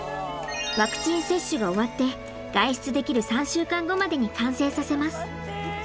ワクチン接種が終わって外出できる３週間後までに完成させます。